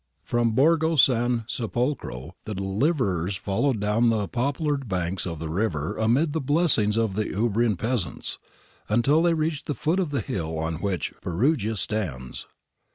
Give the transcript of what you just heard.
From Borgo San Sepolcro the deliverers followed down the poplared banks of the river, amid the blessings of the Umbrian peasants, until they reached the foot of the hill on which Perugia stands.